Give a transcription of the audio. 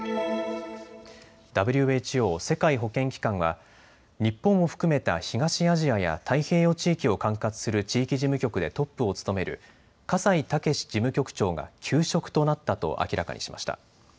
ＷＨＯ・世界保健機関は日本を含めた東アジアや太平洋地域を管轄する地域事務局でトップを務める葛西健事務局長が休職となったと明らかにしました。